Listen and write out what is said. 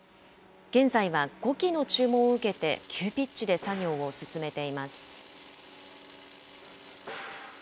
現在は５基の注文を受けて急ピッチで作業を進めています。